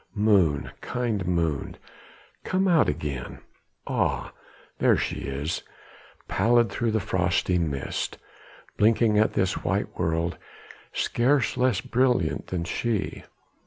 Moon, kind moon, come out again! ah, there she is, pallid through the frosty mist, blinking at this white world scarce less brilliant than she.